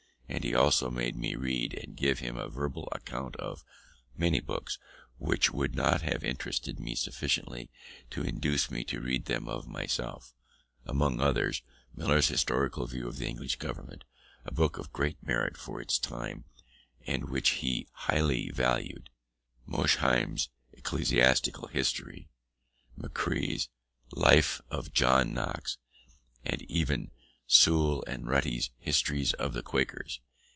He also made me read, and give him a verbal account of, many books which would not have interested me sufficiently to induce me to read them of myself: among other's Millar's Historical View of the English Government, a book of great merit for its time, and which he highly valued; Mosheim's Ecclesiastical History, McCrie's Life of John Knox, and even Sewell and Rutty's Histories of the Quakers.